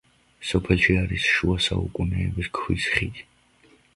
სოფელში არის შუა საუკუნეების ქვის ხიდი.